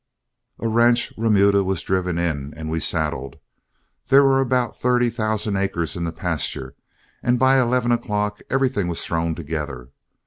A ranch remuda was driven in, and we saddled. There were about thirty thousand acres in the pasture, and by eleven o'clock everything was thrown together.